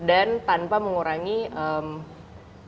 dan tanpa mengurangi social channel lainnya